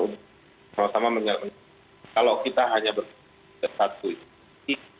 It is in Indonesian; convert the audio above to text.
terutama kalau kita hanya berkecuali satu istri